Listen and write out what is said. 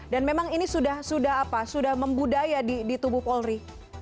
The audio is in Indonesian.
dan memang ini sudah membudaya di tubuh polri